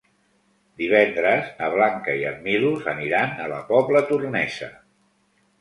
Divendres na Blanca i en Milos aniran a la Pobla Tornesa.